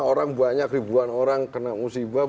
orang banyak ribuan orang kena musibah